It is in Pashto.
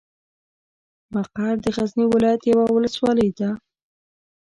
مقر د غزني ولايت یوه ولسوالۍ ده.